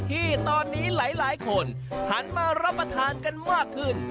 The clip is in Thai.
ที่ตอนนี้หลายคนหันมารับประทานกันมากขึ้น